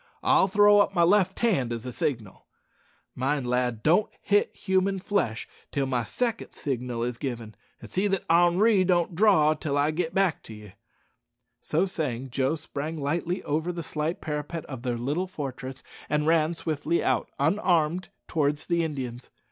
I'll throw up my left hand, as a signal. Mind, lad, don't hit human flesh till my second signal is given, and see that Henri don't draw till I git back to ye." So saying, Joe sprang lightly over the slight parapet of their little fortress, and ran swiftly out, unarmed, towards the Indians.